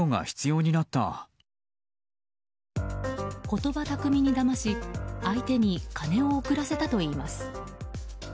言葉巧みにだまし相手に金を送らせたといいます。